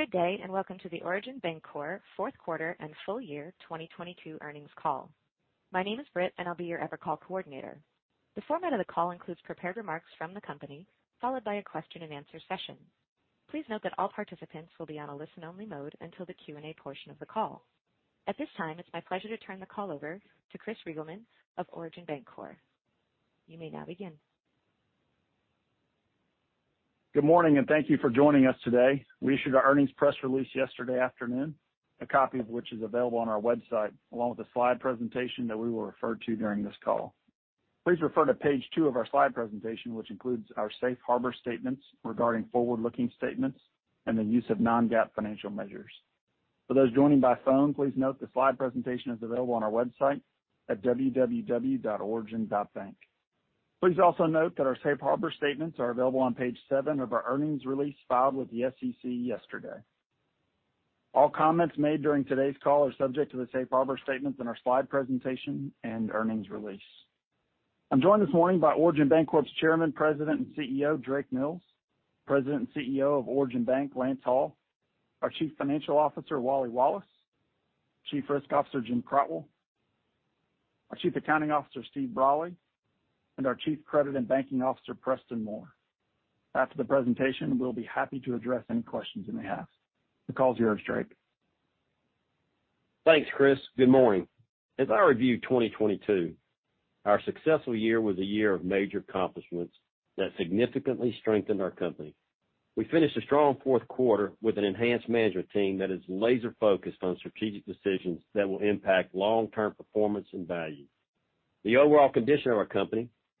Good day, welcome to the Origin Bancorp Q4 and full year 2022 earnings call. My name is Brit, I'll be your Evercall coordinator. The format of the call includes prepared remarks from the company, followed by a question-and-answer session. Please note that all participants will be on a listen-only mode until the Q&A portion of the call. At this time, it's my pleasure to turn the call over to Chris Reigelman of Origin Bancorp. You may now begin. Good morning, thank you for joining us today. We issued our earnings press release yesterday afternoon, a copy of which is available on our website, along with a slide presentation that we will refer to during this call. Please refer to page two of our slide presentation, which includes our safe harbor statements regarding forward-looking statements and the use of non-GAAP financial measures. For those joining by phone, please note the slide presentation is available on our website at www.origin.bank. Please also note that our safe harbor statements are available on page seven of our earnings release filed with the SEC yesterday. All comments made during today's call are subject to the safe harbor statements in our slide presentation and earnings release. I'm joined this morning by Origin Bancorp's Chairman, President, and CEO, Drake Mills, President and CEO of Origin Bank, Lance Hall, our Chief Financial Officer, Wally Wallace, Chief Risk Officer, Jim Crotwell, our Chief Accounting Officer, Steve Brolly, and our Chief Credit and Banking Officer, Preston Moore. After the presentation, we'll be happy to address any questions you may have. The call is yours, Drake. Thanks, Chris. Good morning. As I review 2022, our successful year was a year of major accomplishments that significantly strengthened our company. We finished a strong Q4 with an enhanced management team that is laser-focused on strategic decisions that will impact long-term performance and value. The overall condition of our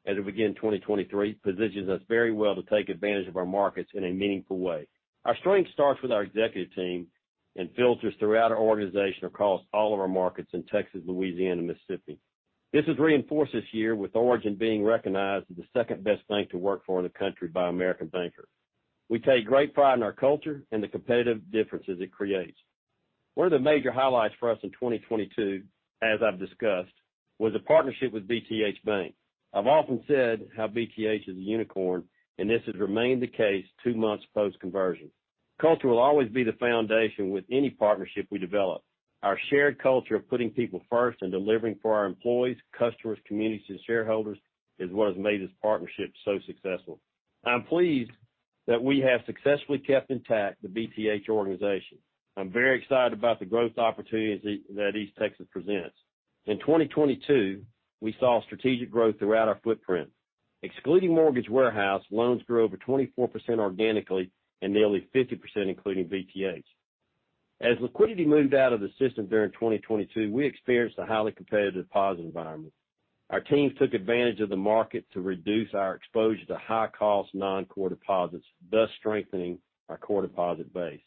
company as it began 2023 positions us very well to take advantage of our markets in a meaningful way. Our strength starts with our executive team and filters throughout our organization across all of our markets in Texas, Louisiana, Mississippi. This is reinforced this year with Origin being recognized as the second-best bank to work for in the country by American Banker. We take great pride in our culture and the competitive differences it creates. One of the major highlights for us in 2022, as I've discussed, was a partnership with BTH Bank. I've often said how BTH is a unicorn, and this has remained the case two months post-conversion. Culture will always be the foundation with any partnership we develop. Our shared culture of putting people first and delivering for our employees, customers, communities, and shareholders is what has made this partnership so successful. I'm pleased that we have successfully kept intact the BTH organization. I'm very excited about the growth opportunities that East Texas presents. In 2022, we saw strategic growth throughout our footprint. Excluding Mortgage Warehouse, loans grew over 24% organically and nearly 50% including BTH. As liquidity moved out of the system during 2022, we experienced a highly competitive deposit environment. Our teams took advantage of the market to reduce our exposure to high-cost non-core deposits, thus strengthening our core deposit base.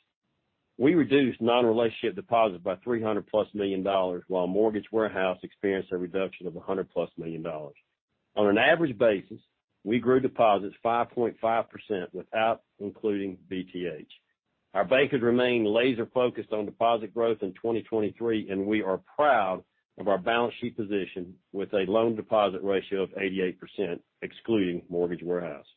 We reduced non-relationship deposits by $300+ million, while Mortgage Warehouse experienced a reduction of $100+ million. On an average basis, we grew deposits 5.5% without including BTH. Our bank has remained laser-focused on deposit growth in 2023, we are proud of our balance sheet position with a loan deposit ratio of 88%, excluding Mortgage Warehouse.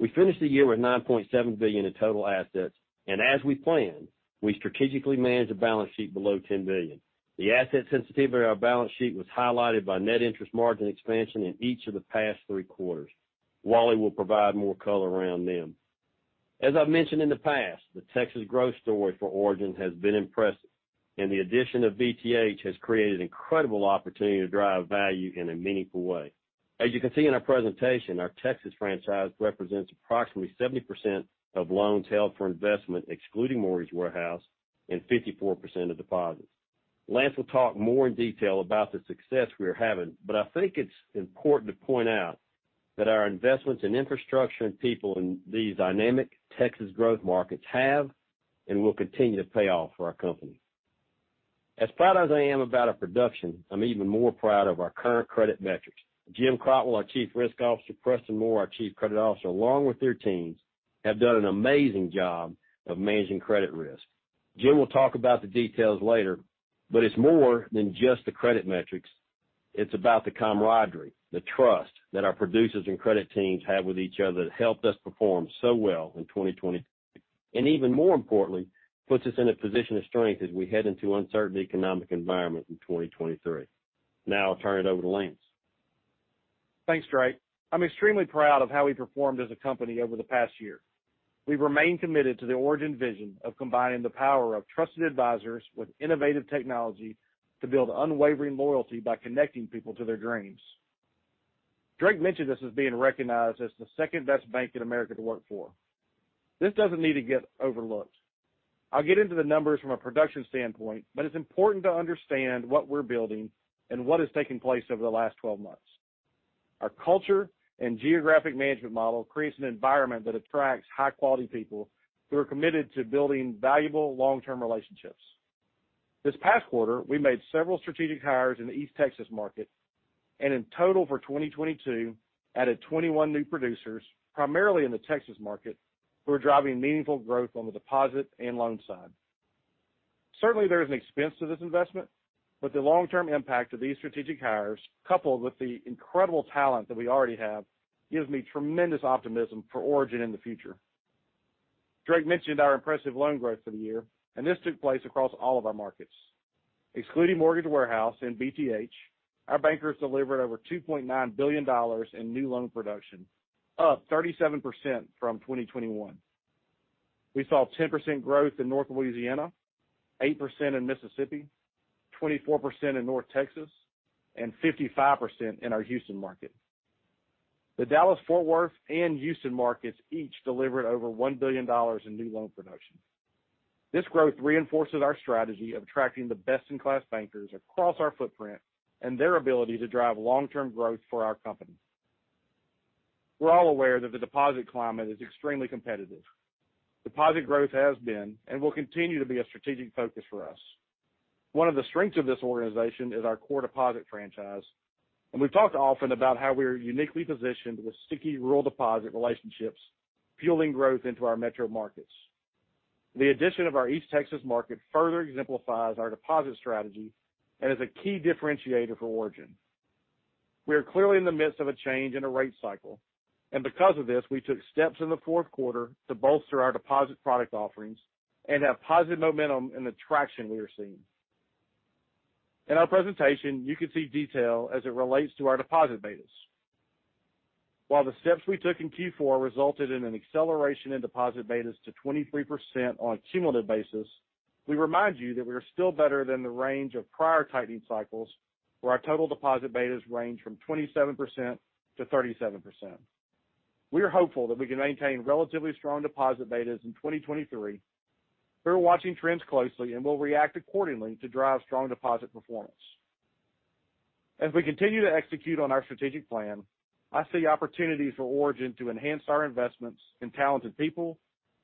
We finished the year with $9.7 billion in total assets, as we planned, we strategically managed a balance sheet below $10 billion. The asset sensitivity of our balance sheet was highlighted by net interest margin expansion in each of the past three quarters. Wally will provide more color around them. As I've mentioned in the past, the Texas growth story for Origin has been impressive, the addition of BTH has created incredible opportunity to drive value in a meaningful way. As you can see in our presentation, our Texas franchise represents approximately 70% of loans held for investment, excluding Mortgage Warehouse, and 54% of deposits. Lance will talk more in detail about the success we are having, but I think it's important to point out that our investments in infrastructure and people in these dynamic Texas growth markets have and will continue to pay off for our company. As proud as I am about our production, I'm even more proud of our current credit metrics. Jim Crotwell, our Chief Risk Officer, Preston Moore, our Chief Credit Officer, along with their teams, have done an amazing job of managing credit risk. Jim will talk about the details later, but it's more than just the credit metrics. It's about the camaraderie, the trust that our producers and credit teams have with each other that helped us perform so well in 2020. Even more importantly, puts us in a position of strength as we head into uncertain economic environment in 2023. I'll turn it over to Lance. Thanks, Drake. I'm extremely proud of how we performed as a company over the past year. We've remained committed to the Origin vision of combining the power of trusted advisors with innovative technology to build unwavering loyalty by connecting people to their dreams. Drake mentioned us as being recognized as the second-best bank in America to work for. This doesn't need to get overlooked. I'll get into the numbers from a production standpoint, but it's important to understand what we're building and what has taken place over the last 12 months. Our culture and geographic management model creates an environment that attracts high-quality people who are committed to building valuable long-term relationships. This past quarter, we made several strategic hires in the East Texas market, and in total for 2022, added 21 new producers, primarily in the Texas market, who are driving meaningful growth on the deposit and loan side. Certainly there is an expense to this investment, but the long-term impact of these strategic hires, coupled with the incredible talent that we already have, gives me tremendous optimism for Origin in the future. Drake mentioned our impressive loan growth for the year, and this took place across all of our markets. Excluding Mortgage Warehouse and BTH, our bankers delivered over $2.9 billion in new loan production, up 37% from 2021. We saw 10% growth in North Louisiana, 8% in Mississippi, 24% in North Texas, and 55% in our Houston market. The Dallas-Fort Worth and Houston markets each delivered over $1 billion in new loan production. This growth reinforces our strategy of attracting the best in class bankers across our footprint and their ability to drive long-term growth for our company. We're all aware that the deposit climate is extremely competitive. Deposit growth has been and will continue to be a strategic focus for us. One of the strengths of this organization is our core deposit franchise, and we've talked often about how we are uniquely positioned with sticky rural deposit relationships fueling growth into our metro markets. The addition of our East Texas market further exemplifies our deposit strategy and is a key differentiator for Origin. We are clearly in the midst of a change in a rate cycle, and because of this, we took steps in the Q4 to bolster our deposit product offerings and have positive momentum in the traction we are seeing. In our presentation, you can see detail as it relates to our deposit betas. While the steps we took in Q4 resulted in an acceleration in deposit betas to 23% on a cumulative basis, we remind you that we are still better than the range of prior tightening cycles, where our total deposit betas range from 27%-37%. We are hopeful that we can maintain relatively strong deposit betas in 2023. We're watching trends closely and will react accordingly to drive strong deposit performance. As we continue to execute on our strategic plan, I see opportunities for Origin to enhance our investments in talented people,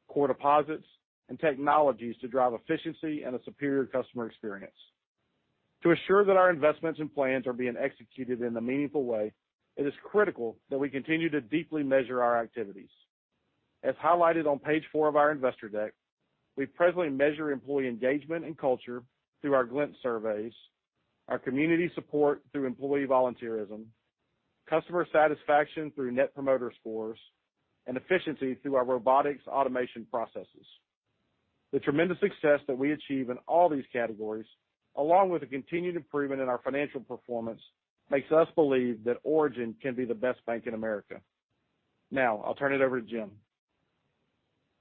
core deposits, and technologies to drive efficiency and a superior customer experience. To assure that our investments and plans are being executed in a meaningful way, it is critical that we continue to deeply measure our activities. As highlighted on page four of our investor deck, we presently measure employee engagement and culture through our Glint surveys, our community support through employee volunteerism, customer satisfaction through Net Promoter Scores, and efficiency through our robotics automation processes. The tremendous success that we achieve in all these categories, along with the continued improvement in our financial performance, makes us believe that Origin can be the best bank in America. I'll turn it over to Jim.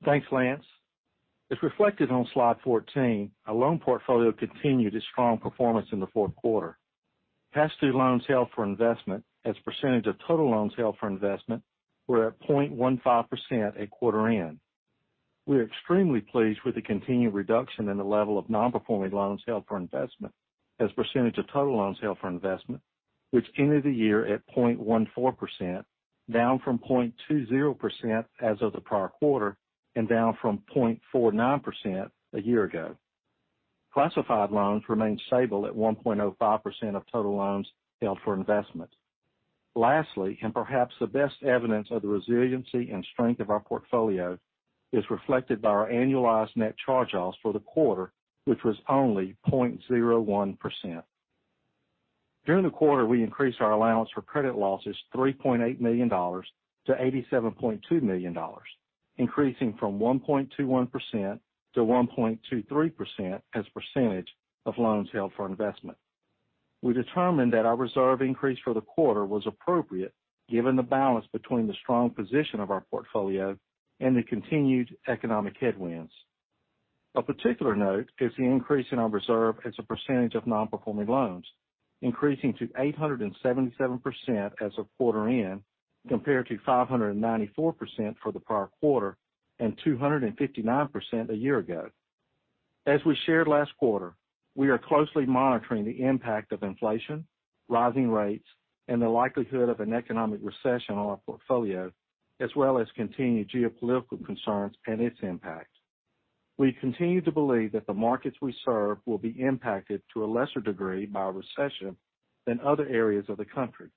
Thanks, Lance. As reflected on slide 14, our loan portfolio continued its strong performance in the Q4. Pass-through loans held for investment as a percentage of total loans held for investment were at 0.15% at quarter end. We are extremely pleased with the continued reduction in the level of non-performing loans held for investment as a percentage of total loans held for investment, which ended the year at 0.14%, down from 0.20% as of the prior quarter and down from 0.49% a year ago. Classified loans remained stable at 1.05% of total loans held for investment. Lastly, and perhaps the best evidence of the resiliency and strength of our portfolio is reflected by our annualized net charge-offs for the quarter, which was only 0.01%. During the quarter, we increased our allowance for credit losses $3.8 million-$87.2 million, increasing from 1.21%-1.23% as a percentage of loans held for investment. We determined that our reserve increase for the quarter was appropriate given the balance between the strong position of our portfolio and the continued economic headwinds. Of particular note is the increase in our reserve as a percentage of non-performing loans, increasing to 877% as of quarter end compared to 594% for the prior quarter and 259% a year ago. As we shared last quarter, we are closely monitoring the impact of inflation, rising rates, and the likelihood of an economic recession on our portfolio, as well as continued geopolitical concerns and its impact. We continue to believe that the markets we serve will be impacted to a lesser degree by a recession than other areas of the country.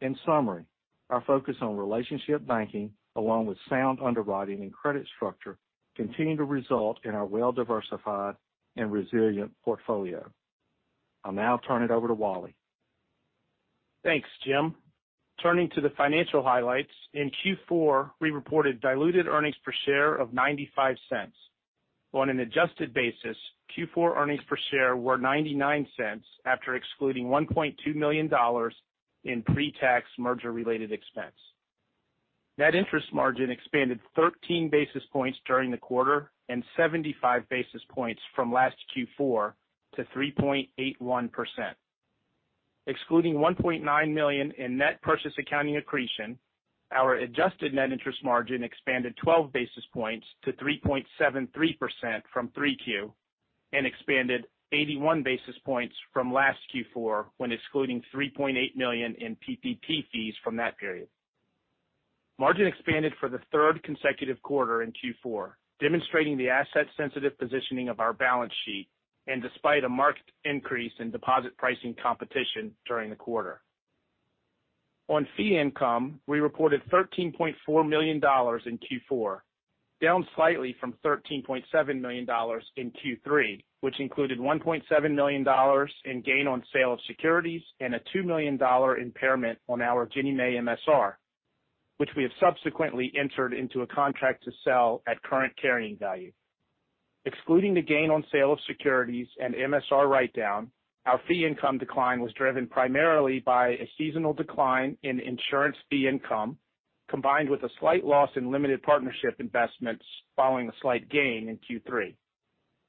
In summary, our focus on relationship banking, along with sound underwriting and credit structure, continue to result in our well-diversified and resilient portfolio. I'll now turn it over to Wally. Thanks, Jim. Turning to the financial highlights, in Q4, we reported diluted earnings per share of $0.95. On an adjusted basis, Q4 earnings per share were $0.99 after excluding $1.2 million in pre-tax merger-related expense. Net interest margin expanded 13 basis points during the quarter and 75 basis points from last Q4 to 3.81%. Excluding $1.9 million in net purchase accounting accretion, our adjusted Net interest margin expanded 12 basis points to 3.73% from Q3 and expanded 81 basis points from last Q4 when excluding $3.8 million in PPP fees from that period. Margin expanded for the third consecutive quarter in Q4, demonstrating the asset sensitive positioning of our balance sheet and despite a marked increase in deposit pricing competition during the quarter. On fee income, we reported $13.4 million in Q4, down slightly from $13.7 million in Q3, which included $1.7 million in gain on sale of securities and a $2 million impairment on our Ginnie Mae MSR, which we have subsequently entered into a contract to sell at current carrying value. Excluding the gain on sale of securities and MSR write-down, our fee income decline was driven primarily by a seasonal decline in insurance fee income, combined with a slight loss in limited partnership investments following a slight gain in Q3.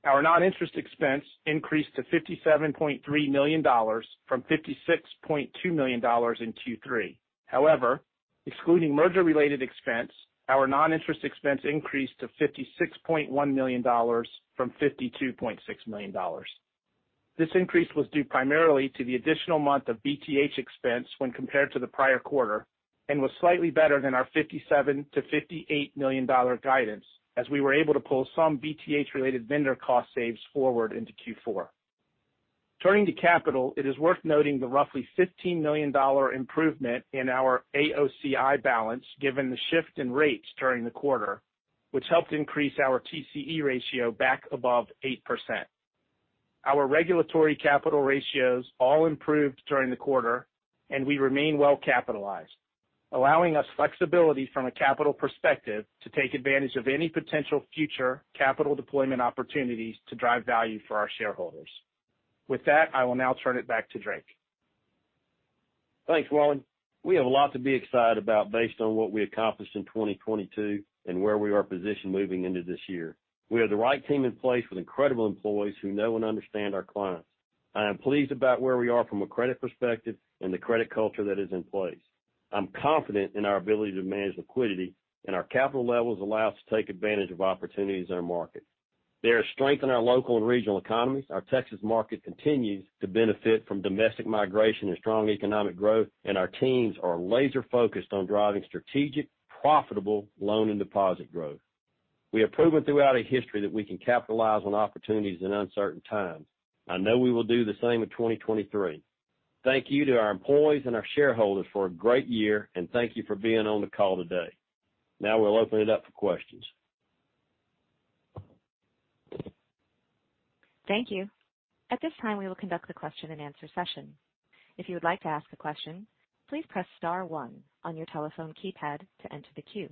Our non-interest expense increased to $57.3 million from $56.2 million in Q3. However, excluding merger-related expense, our non-interest expense increased to $56.1 million from $52.6 million. This increase was due primarily to the additional month of BTH expense when compared to the prior quarter, and was slightly better than our $57 million-$58 million guidance, as we were able to pull some BTH related vendor cost saves forward into Q4. Turning to capital, it is worth noting the roughly $15 million improvement in our AOCI balance given the shift in rates during the quarter, which helped increase our TCE ratio back above 8%. Our regulatory capital ratios all improved during the quarter, and we remain well capitalized, allowing us flexibility from a capital perspective to take advantage of any potential future capital deployment opportunities to drive value for our shareholders. With that, I will now turn it back to Drake. Thanks, Wally. We have a lot to be excited about based on what we accomplished in 2022 and where we are positioned moving into this year. We have the right team in place with incredible employees who know and understand our clients. I am pleased about where we are from a credit perspective and the credit culture that is in place. I'm confident in our ability to manage liquidity and our capital levels allow us to take advantage of opportunities in our market. There is strength in our local and regional economies. Our Texas market continues to benefit from domestic migration and strong economic growth, and our teams are laser-focused on driving strategic, profitable loan and deposit growth. We have proven throughout our history that we can capitalize on opportunities in uncertain times. I know we will do the same in 2023. Thank you to our employees and our shareholders for a great year, and thank you for being on the call today. Now, we'll open it up for questions. Thank you. At this time, we will conduct the question and answer session. If you would like to ask a question, please press star one on your telephone keypad to enter the queue.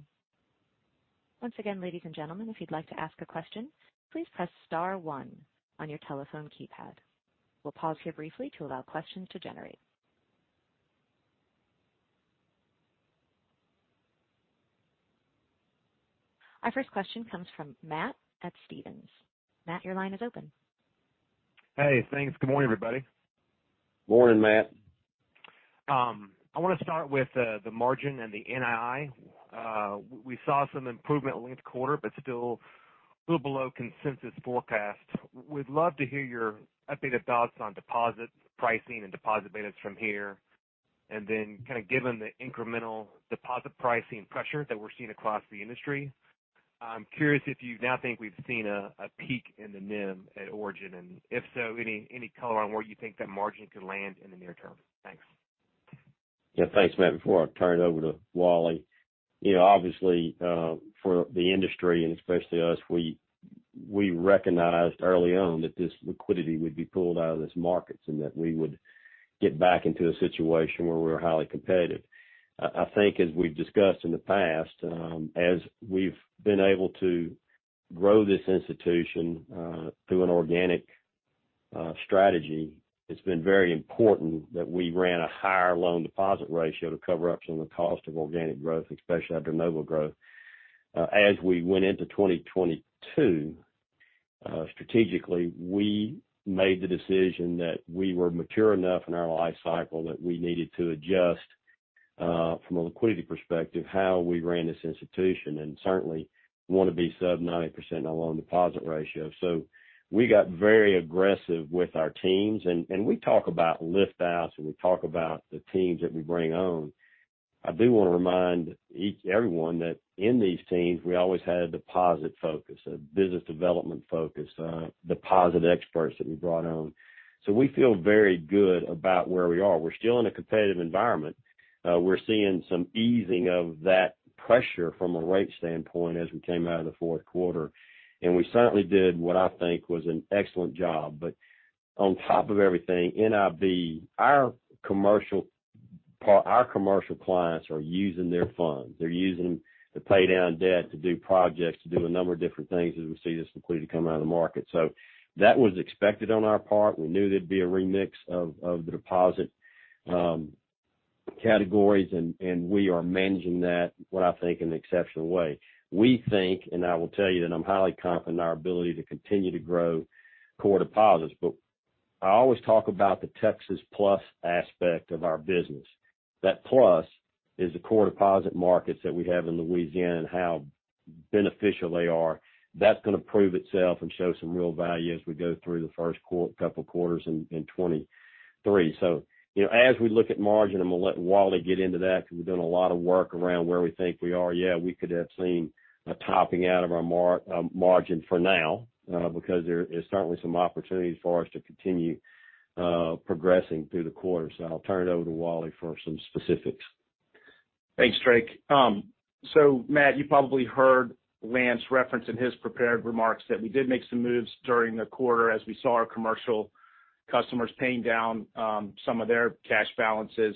Once again, ladies and gentlemen, if you'd like to ask a question, please press star one on your telephone keypad. We'll pause here briefly to allow questions to generate. Our first question comes from Matt at Stephens. Matt, your line is open. Hey, thanks. Good morning, everybody. Morning, Matt. I wanna start with the margin and the NII. We saw some improvement linked quarter, but still a little below consensus forecast. We'd love to hear your updated thoughts on deposit pricing and deposit betas from here. Kind of given the incremental deposit pricing pressure that we're seeing across the industry, I'm curious if you now think we've seen a peak in the NIM at Origin. If so, any color on where you think that margin could land in the near term? Thanks. Yeah. Thanks, Matt. Before I turn it over to Wally, you know, obviously, for the industry and especially us, we recognized early on that this liquidity would be pulled out of this market, and that we would get back into a situation where we're highly competitive. I think as we've discussed in the past, as we've been able to grow this institution, through an organic strategy, it's been very important that we ran a higher loan deposit ratio to cover up some of the cost of organic growth, especially after mobile growth. As we went into 2022, strategically, we made the decision that we were mature enough in our life cycle that we needed to adjust, from a liquidity perspective, how we ran this institution, and certainly wanna be sub 90% on loan deposit ratio. We got very aggressive with our teams. We talk about lift outs, and we talk about the teams that we bring on. I do wanna remind everyone that in these teams, we always had a deposit focus, a business development focus, deposit experts that we brought on. We feel very good about where we are. We're still in a competitive environment. We're seeing some easing of that pressure from a rate standpoint as we came out of the Q4. We certainly did what I think was an excellent job. On top of everything, NIB, our commercial clients are using their funds. They're using them to pay down debt, to do projects, to do a number of different things as we see this liquidity come out of the market. That was expected on our part. We knew there'd be a remix of the deposit categories, and we are managing that, what I think in an exceptional way. I will tell you that I'm highly confident in our ability to continue to grow core deposits, but I always talk about the Texas plus aspect of our business. That plus is the core deposit markets that we have in Louisiana and how beneficial they are. That's gonna prove itself and show some real value as we go through the first couple quarters in 2023. you know, as we look at margin, I'm gonna let Wally get into that because we've done a lot of work around where we think we are. Yeah, we could have seen a topping out of our margin for now, because there's certainly some opportunities for us to continue, progressing through the quarter. I'll turn it over to Wally for some specifics. Thanks, Drake. Matt, you probably heard Lance reference in his prepared remarks that we did make some moves during the quarter as we saw our commercial customers paying down, some of their cash balances.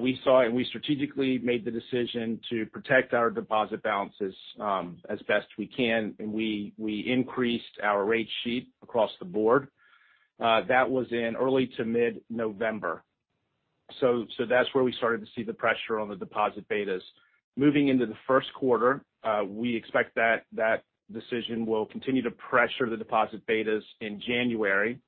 We saw it, and we strategically made the decision to protect our deposit balances, as best we can, and we increased our rate sheet across the board. That was in early to mid-November. That's where we started to see the pressure on the deposit betas. Moving into the Q1, we expect that the decision will continue to pressure the deposit betas in January.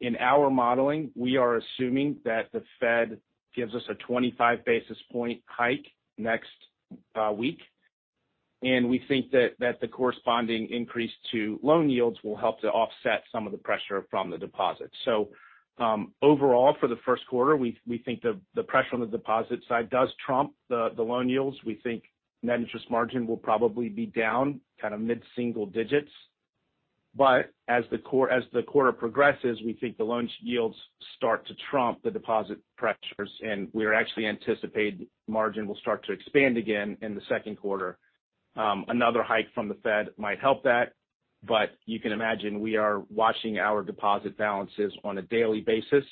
In our modeling, we are assuming that the Fed gives us a 25 basis point hike next week. We think that the corresponding increase to loan yields will help to offset some of the pressure from the deposits. Overall, for the Q1, we think the pressure on the deposit side does trump the loan yields. We think net interest margin will probably be down kind of mid-single digits. As the quarter progresses, we think the loans yields start to trump the deposit pressures, and we're actually anticipate margin will start to expand again in the Q2. Another hike from the Fed might help that, but you can imagine we are watching our deposit balances on a daily basis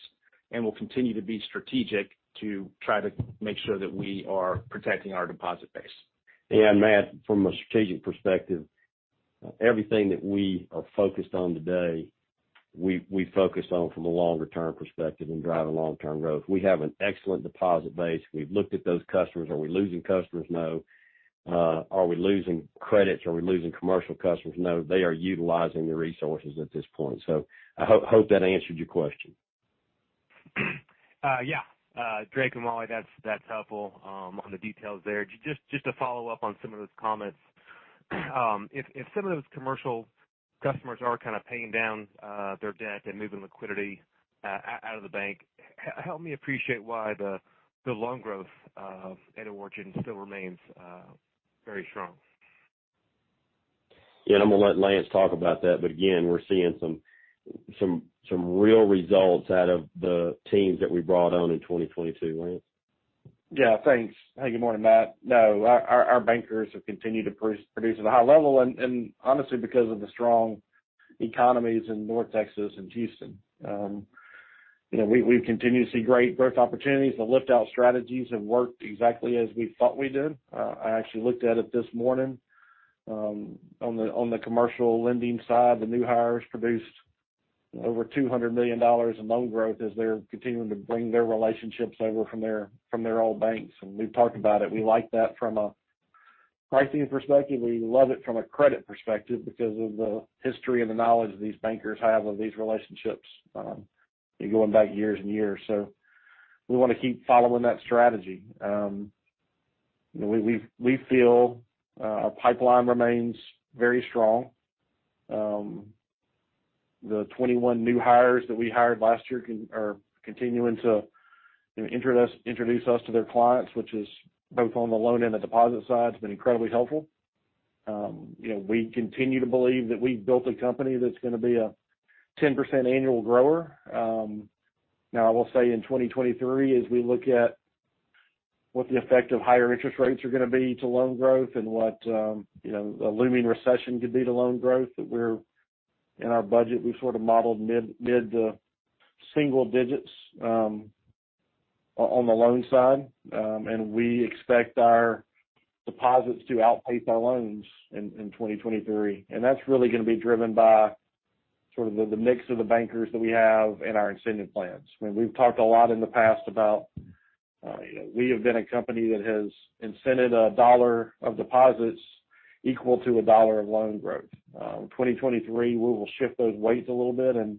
and will continue to be strategic to try to make sure that we are protecting our deposit base. Matt, from a strategic perspective, everything that we are focused on today, we focus on from a longer-term perspective and drive a long-term growth. We have an excellent deposit base. We've looked at those customers. Are we losing customers? No. Are we losing credits? Are we losing commercial customers? No. They are utilizing the resources at this point. I hope that answered your question. Yeah. Drake and Wally, that's helpful on the details there. Just to follow up on some of those comments, if some of those commercial customers are kind of paying down their debt and moving liquidity out of the bank, help me appreciate why the loan growth of NW Origin still remains very strong? Yeah, I'm gonna let Lance talk about that. again, we're seeing some real results out of the teams that we brought on in 2022. Lance? Yeah. Thanks. Hey, good morning, Matt. Our bankers have continued to produce at a high level and honestly because of the strong economies in North Texas and Houston. You know, we've continued to see great growth opportunities. The lift out strategies have worked exactly as we thought we did. I actually looked at it this morning. On the commercial lending side, the new hires produced over $200 million in loan growth as they're continuing to bring their relationships over from their old banks. We've talked about it, we like that from a pricing perspective. We love it from a credit perspective because of the history and the knowledge these bankers have of these relationships, going back years and years. We wanna keep following that strategy. you know, we feel our pipeline remains very strong. The 21 new hires that we hired last year are continuing to introduce us to their clients, which is both on the loan and the deposit side. It's been incredibly helpful. you know, we continue to believe that we've built a company that's gonna be a 10% annual grower. Now, I will say in 2023, as we look at what the effect of higher interest rates are gonna be to loan growth and what, you know, a looming recession could be to loan growth, that in our budget, we've sort of modeled mid to single digits on the loan side. We expect our deposits to outpace our loans in 2023. That's really gonna be driven by sort of the mix of the bankers that we have and our incentive plans. I mean, we've talked a lot in the past about, you know, we have been a company that has incented $1 of deposits equal to $1 of loan growth. 2023, we will shift those weights a little bit and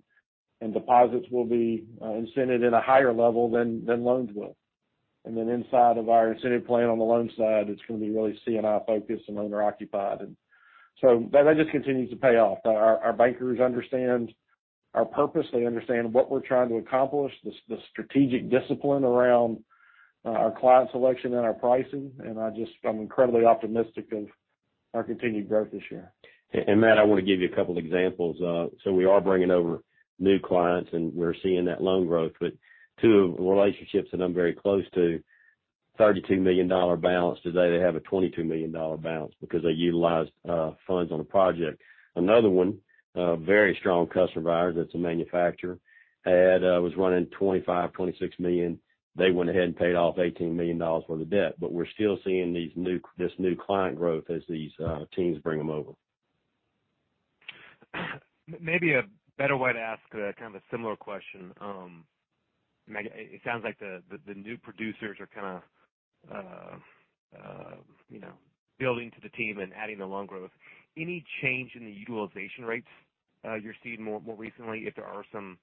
deposits will be incented at a higher level than loans will. Then inside of our incentive plan on the loan side, it's gonna be really C&I-focused and owner-occupied. That just continues to pay off. Our bankers understand our purpose, they understand what we're trying to accomplish, the strategic discipline around our client selection and our pricing, and I'm incredibly optimistic of our continued growth this year. Matt, I wanna give you a couple examples. We are bringing over new clients, and we're seeing that loan growth. Two relationships that I'm very close to, $32 million balance, today they have a $22 million balance because they utilized funds on a project. Another one, a very strong customer of ours, that's a manufacturer, was running $25 million-$26 million. They went ahead and paid off $18 million worth of debt. We're still seeing this new client growth as these teams bring them over. Maybe a better way to ask, kind of a similar question. It sounds like the new producers are kind of, you know, building to the team and adding the loan growth. Any change in the utilization rates, you're seeing more recently if there are some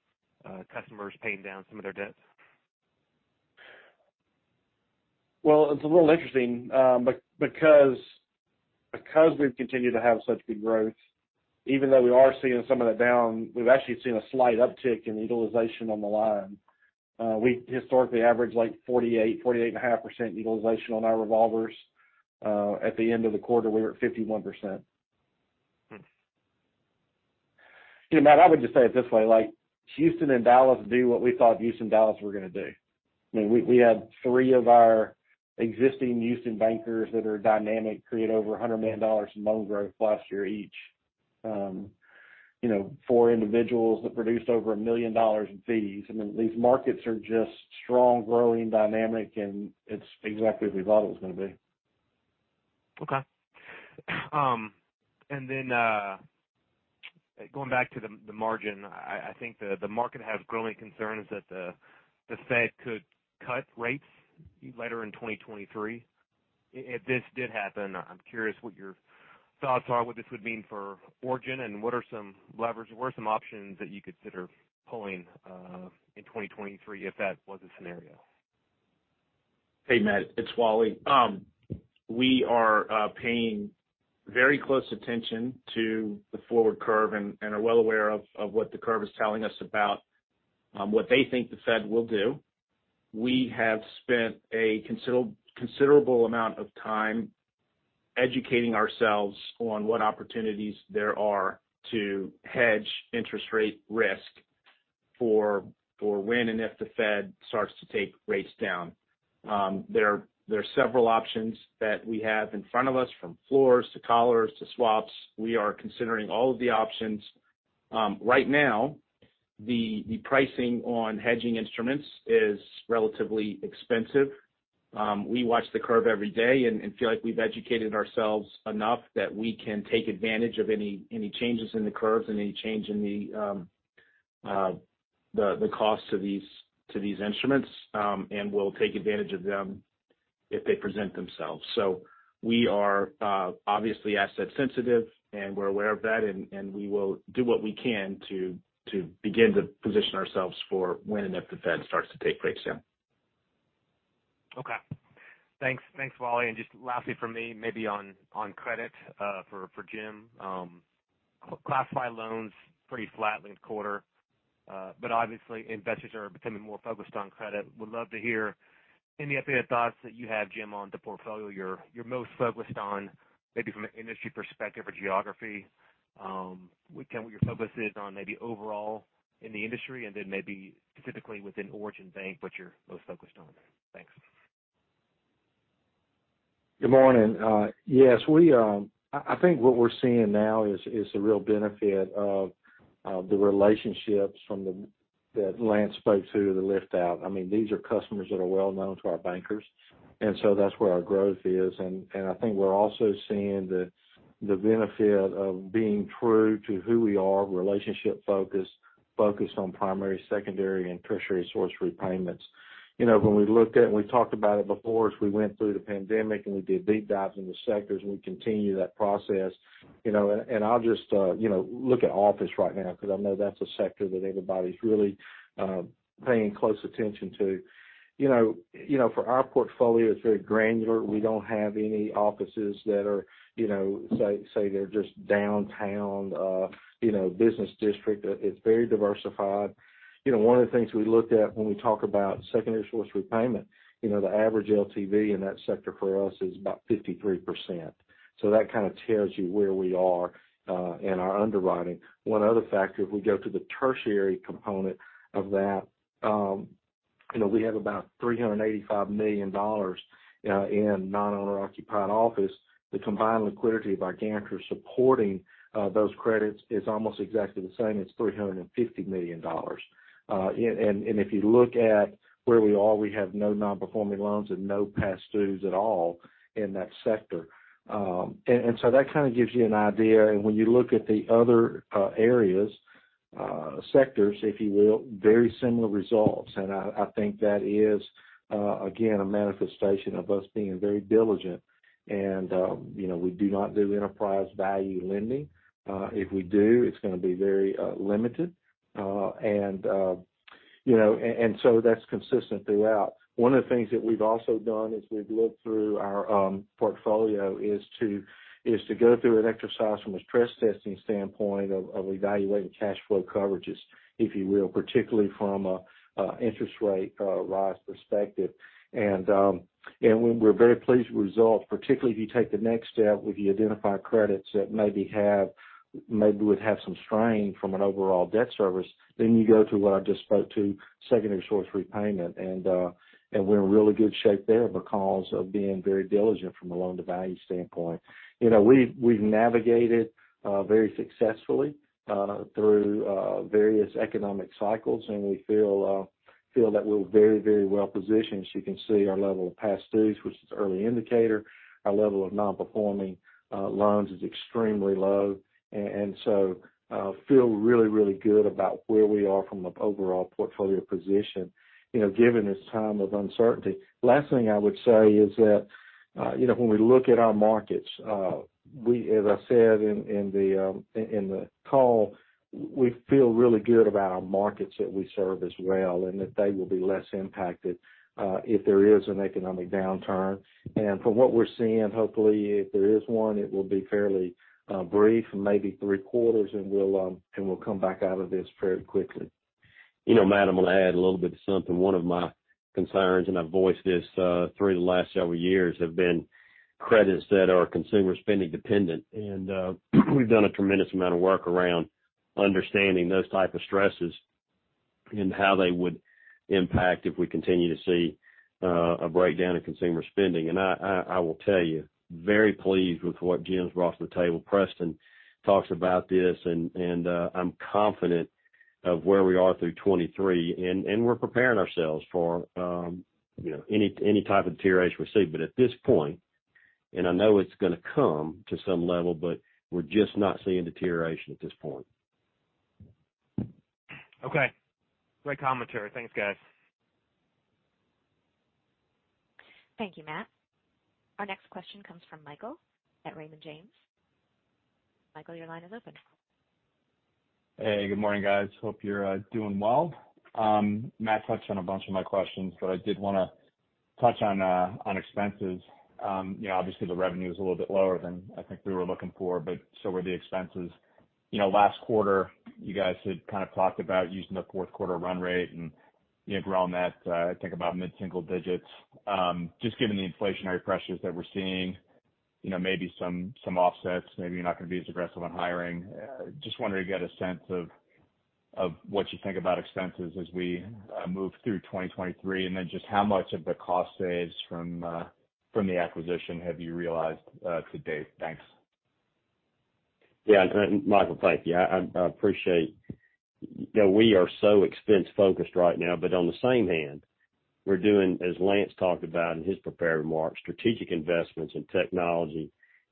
customers paying down some of their debts? Well, it's a little interesting, because we've continued to have such good growth, even though we are seeing some of that down, we've actually seen a slight uptick in utilization on the line. We historically average like 48.5% utilization on our revolvers. At the end of the quarter, we were at 51% You know, Matt, I would just say it this way, like Houston and Dallas do what we thought Houston and Dallas were gonna do. I mean, we had three of our existing Houston bankers that are dynamic, create over $100 million in loan growth last year each. You know, four individuals that produced over $1 million in fees. I mean, these markets are just strong, growing, dynamic, and it's exactly as we thought it was gonna be. Okay. Then, going back to the margin, I think the market has growing concerns that the Fed could cut rates later in 2023. If this did happen, I'm curious what your thoughts are, what this would mean for Origin, and what are some options that you consider pulling in 2023 if that was a scenario? Hey, Matt, it's Wally. We are paying very close attention to the forward curve and are well aware of what the curve is telling us about what they think the Fed will do. We have spent a considerable amount of time educating ourselves on what opportunities there are to hedge interest rate risk for when and if the Fed starts to take rates down. There are several options that we have in front of us from floors to collars to swaps. We are considering all of the options. Right now, the pricing on hedging instruments is relatively expensive. We watch the curve every day and feel like we've educated ourselves enough that we can take advantage of any changes in the curves and any change in the cost to these instruments, and we'll take advantage of them if they present themselves. We are obviously asset sensitive, and we're aware of that and we will do what we can to begin to position ourselves for when and if the Fed starts to take rates down. Okay. Thanks. Thanks, Wally. Just lastly from me, maybe on credit for Jim. Classified loans pretty flat link quarter, but obviously investors are becoming more focused on credit. Would love to hear any updated thoughts that you have, Jim, on the portfolio you're most focused on maybe from an industry perspective or geography. What your focus is on maybe overall in the industry, and then maybe specifically within Origin Bank, what you're most focused on. Thanks. Good morning. Yes, I think what we're seeing now is the real benefit of the relationships from that Lance spoke to the lift out. I mean, these are customers that are well known to our bankers. That's where our growth is. I think we're also seeing the benefit of being true to who we are, relationship-focused, focused on primary, secondary and tertiary source repayments. You know, when we looked at, we talked about it before as we went through the pandemic. We did deep dives in the sectors. We continue that process, you know, I'll just, you know, look at office right now because I know that's a sector that everybody's really paying close attention to. You know, for our portfolio, it's very granular. We don't have any offices that are, you know, say they're just downtown, you know, business district. It's very diversified. You know, one of the things we looked at when we talk about secondary source repayment, you know, the average LTV in that sector for us is about 53%. That kind of tells you where we are in our underwriting. One other factor, if we go to the tertiary component of that, you know, we have about $385 million in non-owner occupied office. The combined liquidity of our guarantors supporting those credits is almost exactly the same as $350 million. If you look at where we are, we have no non-performing loans and no past dues at all in that sector. That kind of gives you an idea. When you look at the other areas, sectors, if you will, very similar results. I think that is again, a manifestation of us being very diligent. You know, we do not do enterprise value lending. If we do, it's gonna be very limited. You know, that's consistent throughout. One of the things that we've also done as we've looked through our portfolio is to go through an exercise from a stress testing standpoint of, evaluating cash flow coverages, if you will, particularly from a interest rate, rise perspective. We're very pleased with results, particularly if you take the next step, if you identify credits that maybe would have some strain from an overall debt service, then you go through what I just spoke to, secondary source repayment. We're in really good shape there because of being very diligent from a loan-to-value standpoint. You know, we've navigated very successfully through various economic cycles, and we feel that we're very, very well positioned. As you can see, our level of past dues, which is early indicator, our level of non-performing loans is extremely low. Feel really, really good about where we are from an overall portfolio position, you know, given this time of uncertainty. Last thing I would say is that, you know, when we look at our markets, as I said in the call, we feel really good about our markets that we serve as well, and that they will be less impacted, if there is an economic downturn. From what we're seeing, hopefully, if there is one, it will be fairly brief, maybe three quarters, and we'll come back out of this very quickly. You know, Matt, I'm gonna add a little bit to something. One of my concerns, and I've voiced this, through the last several years, have been credits that are consumer spending dependent. We've done a tremendous amount of work around understanding those type of stresses and how they would impact if we continue to see a breakdown in consumer spending. I will tell you, very pleased with what Jim's brought to the table. Preston talks about this and I'm confident of where we are through 2023, and we're preparing ourselves for, you know, any type of deterioration we see. At this point, and I know it's gonna come to some level, but we're just not seeing deterioration at this point. Okay. Great commentary. Thanks, guys. Thank you, Matt. Our next question comes from Michael at Raymond James. Michael, your line is open. Hey, good morning, guys. Hope you're doing well. Matt touched on a bunch of my questions, but I did wanna touch on expenses. You know, obviously the revenue is a little bit lower than I think we were looking for, but so were the expenses. You know, last quarter, you guys had kind of talked about using the Q4 run rate and, you know, grow on that, I think about mid-single digits. Just given the inflationary pressures that we're seeing, you know, maybe some offsets, maybe you're not gonna be as aggressive on hiring. Just wondering to get a sense of what you think about expenses as we move through 2023, then just how much of the cost saves from the acquisition have you realized to date? Thanks. Yeah. Michael, thank you. I appreciate. You know, we are so expense-focused right now, but on the same hand, we're doing, as Lance talked about in his prepared remarks, strategic investments in technology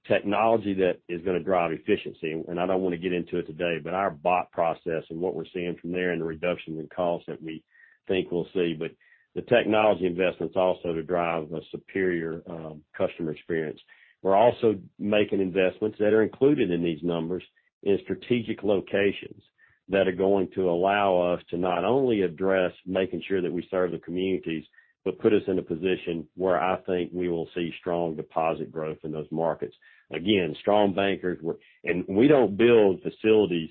that is gonna drive efficiency. I don't wanna get into it today, but our bot process and what we're seeing from there and the reduction in costs that we think we'll see, but the technology investments also to drive a superior, customer experience. We're also making investments that are included in these numbers in strategic locations that are going to allow us to not only address making sure that we serve the communities, but put us in a position where I think we will see strong deposit growth in those markets. Again, strong bankers. We don't build facilities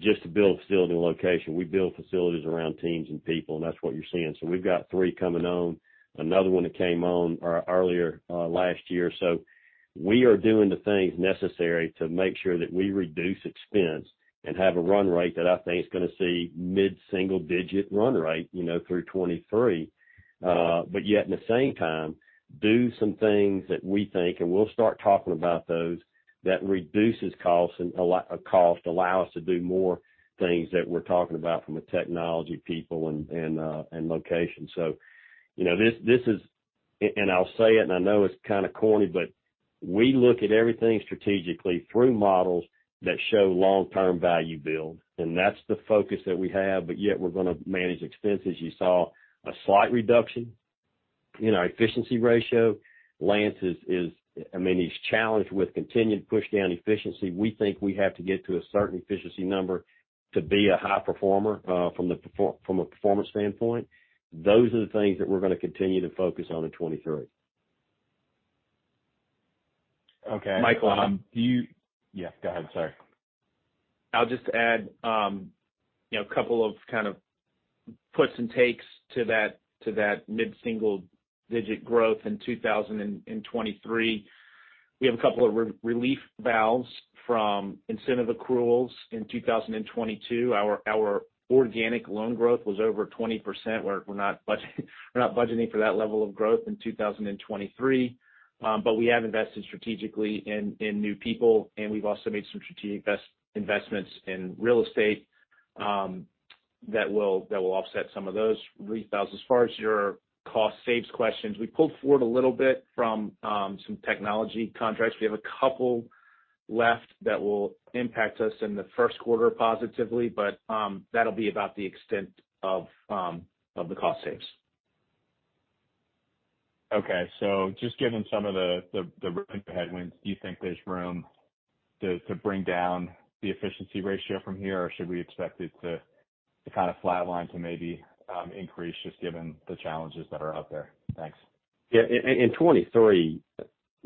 just to build facilities and location. We build facilities around teams and people, and that's what you're seeing. We've got 3 coming on, another one that came on earlier last year. We are doing the things necessary to make sure that we reduce expense and have a run rate that I think is gonna see mid-single digit run rate, you know, through 2023. Yet, at the same time, do some things that we think, and we'll start talking about those, that reduces costs and allow us to do more things that we're talking about from a technology people and location. You know, this is. And I'll say it, and I know it's kind of corny, but we look at everything strategically through models that show long-term value build, and that's the focus that we have, but yet we're gonna manage expenses. You saw a slight reduction in our efficiency ratio. Lance is, I mean, he's challenged with continued push-down efficiency. We think we have to get to a certain efficiency number to be a high performer, from a performance standpoint. Those are the things that we're gonna continue to focus on in 2023. Okay. Michael. Yes, go ahead. Sorry. I'll just add, you know, a couple of kind of puts and takes to that, to that mid-single-digit growth in 2023. We have a couple of relief valves from incentive accruals in 2022. Our organic loan growth was over 20%. We're not budgeting for that level of growth in 2023. We have invested strategically in new people, and we've also made some strategic investments in real estate that will offset some of those relief valves. As far as your cost saves questions, we pulled forward a little bit from some technology contracts. We have a couple left that will impact us in the Q1 positively, but that'll be about the extent of the cost saves. Just given some of the headwinds, do you think there's room to bring down the efficiency ratio from here? Or should we expect it to kind of flatline, to maybe increase just given the challenges that are out there? Thanks. Yeah. In 2023,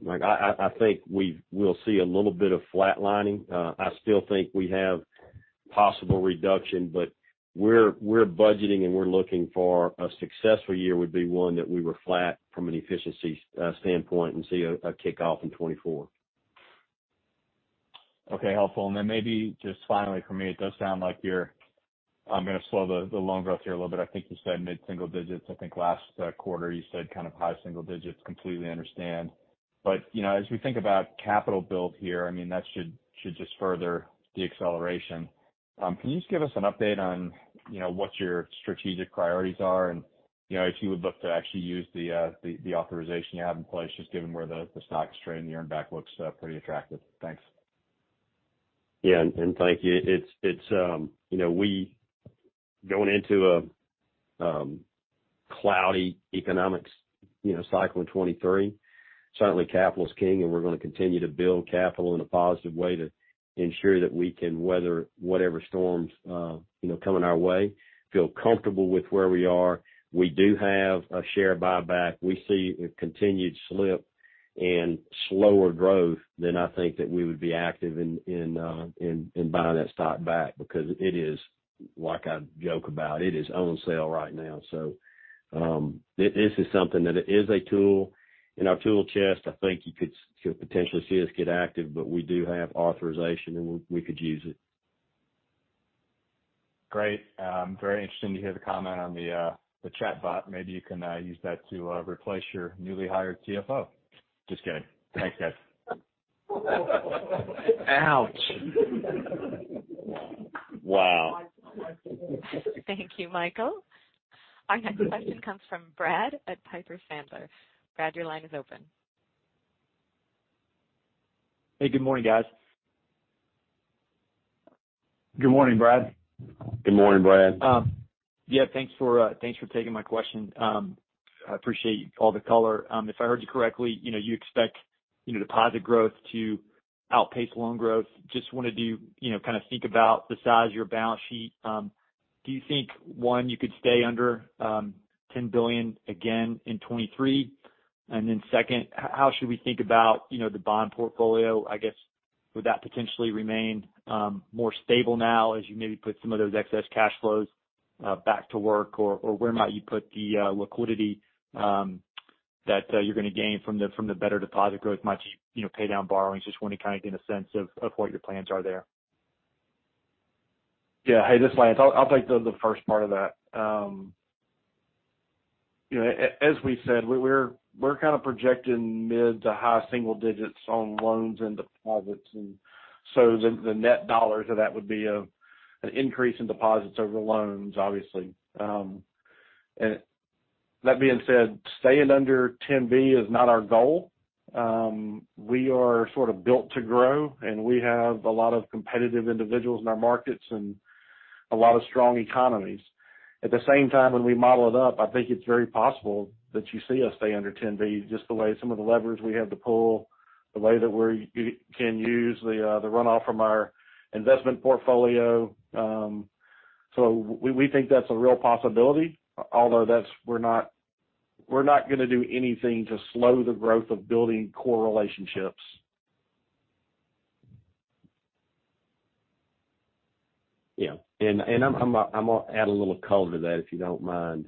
like I think we'll see a little bit of flatlining. I still think we have possible reduction, but we're budgeting, and we're looking for a successful year would be one that we were flat from an efficiency standpoint and see a kickoff in 2024. Okay. Helpful. Then maybe just finally for me, it does sound like you're gonna slow the loan growth here a little bit. I think you said mid-single digits. I think last quarter you said kind of high single digits. Completely understand. You know, as we think about capital build here, I mean, that should just further the acceleration. Can you just give us an update on, you know, what your strategic priorities are? You know, if you would look to actually use the authorization you have in place, just given where the stock is trading, the earn back looks pretty attractive. Thanks. Yeah, and thank you. It's, you know, going into a cloudy economics, you know, cycle in 2023, certainly capital is king, and we're gonna continue to build capital in a positive way to ensure that we can weather whatever storms, you know, come in our way. Feel comfortable with where we are. We do have a share buyback. We see a continued slip Slower growth, then I think that we would be active in buying that stock back because it is like, I joke about it, is on sale right now. This is something that it is a tool in our tool chest. I think you could potentially see us get active, but we do have authorization, and we could use it. Great. Very interesting to hear the comment on the chatbot. Maybe you can use that to replace your newly hired CFO. Just kidding. Thanks, guys. Ouch. Wow. Thank you, Michael. Our next question comes from Brad at Piper Sandler. Brad, your line is open. Hey, good morning, guys. Good morning, Brad. Good morning, Brad. Yeah, thanks for taking my question. I appreciate all the color. If I heard you correctly, you know, you expect, you know, deposit growth to outpace loan growth. Just wanted to, you know, kind of think about the size of your balance sheet. Do you think, one, you could stay under 10 billion again in 2023? Second, how should we think about, you know, the bond portfolio? I guess, would that potentially remain more stable now as you maybe put some of those excess cash flows back to work? Where might you put the liquidity that you're gonna gain from the better deposit growth? Might you know, pay down borrowings? Just wanna kinda get a sense of what your plans are there. Yeah. Hey, this is Lance. I'll take the first part of that. You know, as we said, we're kind of projecting mid to high single digits on loans and deposits. The net dollars of that would be an increase in deposits over loans, obviously. That being said, staying under $10 billion is not our goal. We are sort of built to grow, and we have a lot of competitive individuals in our markets and a lot of strong economies. At the same time, when we model it up, I think it's very possible that you see us stay under $10 billion, just the way some of the levers we have to pull, the way that we can use the runoff from our investment portfolio. We think that's a real possibility, although we're not gonna do anything to slow the growth of building core relationships. Yeah. I'm gonna add a little color to that, if you don't mind.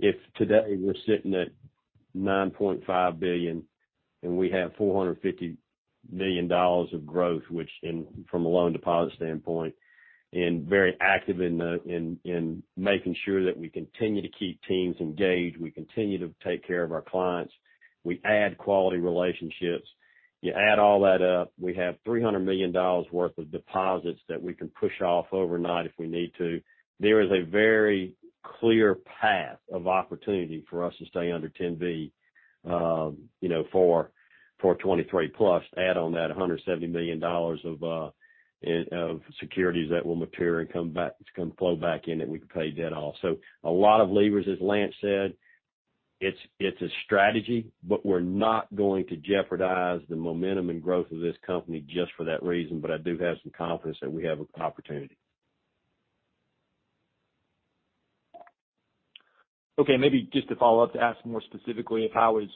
If today we're sitting at $9.5 billion, and we have $450 million of growth, which in, from a loan deposit standpoint, and very active in making sure that we continue to keep teams engaged, we continue to take care of our clients, we add quality relationships. You add all that up, we have $300 million worth of deposits that we can push off overnight if we need to. There is a very clear path of opportunity for us to stay under ten B, you know, for 23 plus. Add on that $170 million of securities that will mature and flow back in, and we can pay debt off. A lot of levers, as Lance said. It's a strategy, but we're not going to jeopardize the momentum and growth of this company just for that reason, but I do have some confidence that we have an opportunity. Okay. Maybe just to follow up, to ask more specifically if I was,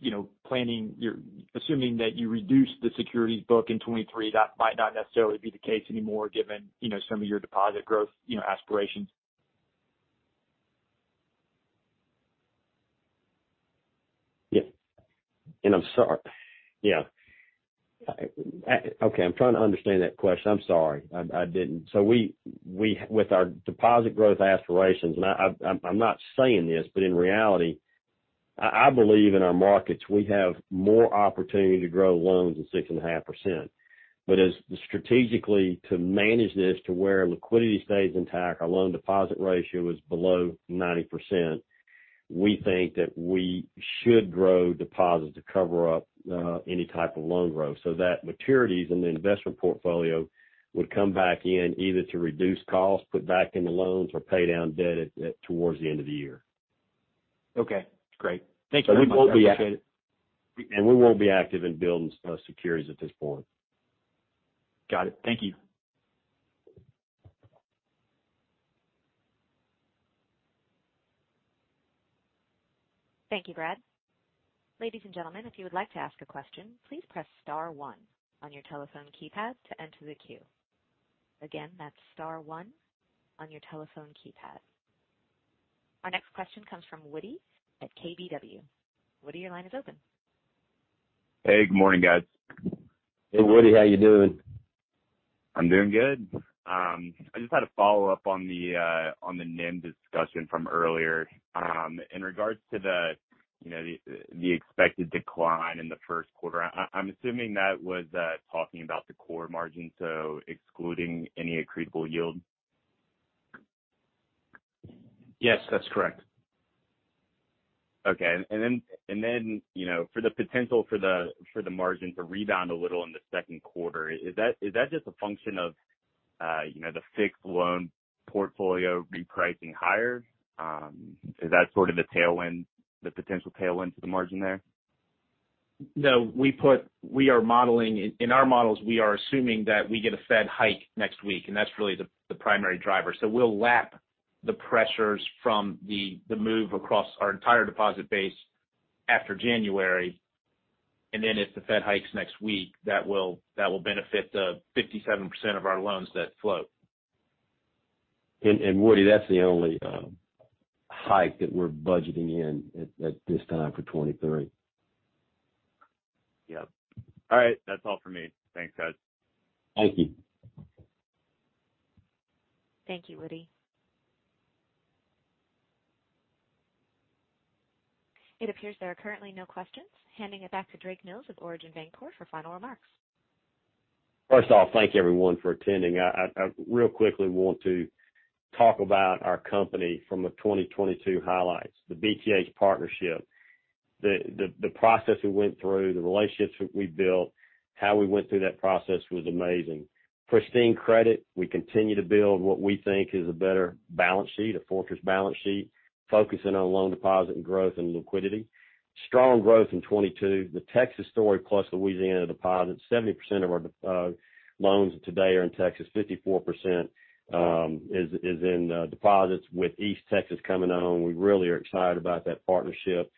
you know, planning assuming that you reduce the securities book in 2023, that might not necessarily be the case anymore, given, you know, some of your deposit growth, you know, aspirations. Yeah. Yeah. Okay, I'm trying to understand that question. I'm sorry. I didn't. We with our deposit growth aspirations, and I'm not saying this, but in reality, I believe in our markets, we have more opportunity to grow loans than 6.5%. As strategically to manage this to where liquidity stays intact, our loan deposit ratio is below 90%. We think that we should grow deposits to cover up any type of loan growth so that maturities in the investment portfolio would come back in either to reduce costs, put back in the loans, or pay down debt towards the end of the year. Okay, great. Thank you very much. I appreciate it. We won't be active in building, securities at this point. Got it. Thank you. Thank you, Brad. Ladies and gentlemen, if you would like to ask a question, please press star one on your telephone keypad to enter the queue. Again, that's star one on your telephone keypad. Our next question comes from Woody at KBW. Woody, your line is open. Hey, good morning, guys. Hey, Woody. How you doing? I'm doing good. I just had a follow-up on the on the NIM discussion from earlier. In regards to the, you know, the expected decline in the Q1, I'm assuming that was talking about the core margin, so excluding any accretable yield. Yes, that's correct. Okay. You know, for the potential for the margin to rebound a little in the Q2, is that just a function of, you know, the fixed loan portfolio repricing higher? Is that sort of the tailwind, the potential tailwind to the margin there? No, we are modeling in our models, we are assuming that we get a Fed hike next week, and that's really the primary driver. We'll lap The pressures from the move across our entire deposit base after January. If the Fed hikes next week, that will benefit the 57% of our loans that float. Woody, that's the only hike that we're budgeting in at this time for 2023. Yep. All right. That's all for me. Thanks, guys. Thank you. Thank you, Woody. It appears there are currently no questions. Handing it back to Drake Mills of Origin Bancorp for final remarks. First of all, thank you everyone for attending. I real quickly want to talk about our company from a 2022 highlights. The BTH partnership, the process we went through, the relationships we built, how we went through that process was amazing. Pristine credit, we continue to build what we think is a better balance sheet, a fortress balance sheet, focusing on loan deposit and growth and liquidity. Strong growth in 2022. The Texas story plus Louisiana deposits. 70% of our loans today are in Texas. 54% is in deposits with East Texas coming on. We really are excited about that partnership.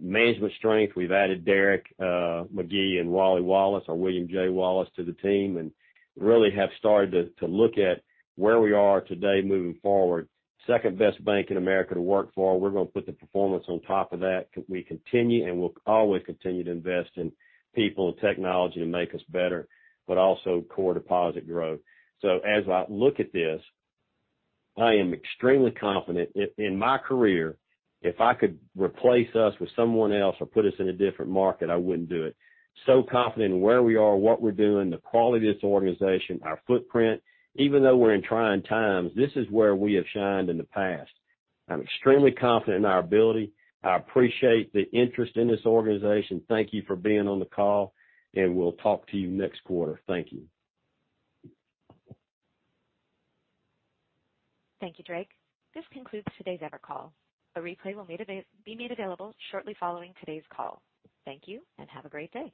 Management strength. We've added Derek McGee and Wally Wallace or William J. Wallace to the team, and really have started to look at where we are today moving forward. Second best bank in America to work for. We're gonna put the performance on top of that. We continue, and we'll always continue to invest in people and technology to make us better, but also core deposit growth. As I look at this, I am extremely confident. In my career, if I could replace us with someone else or put us in a different market, I wouldn't do it. Confident in where we are, what we're doing, the quality of this organization, our footprint. Even though we're in trying times, this is where we have shined in the past. I'm extremely confident in our ability. I appreciate the interest in this organization. Thank you for being on the call, and we'll talk to you next quarter. Thank you. Thank you, Drake. This concludes today's Evercall. A replay will be made available shortly following today's call. Thank you, and have a great day.